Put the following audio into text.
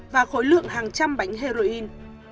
và khối lượng hàng trăm bánh heroin